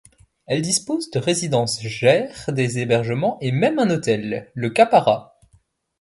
Elle dispose de résidences, gère des hébergements et même un hôtel, Le Kappara.